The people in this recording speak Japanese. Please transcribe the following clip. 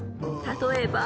［例えば］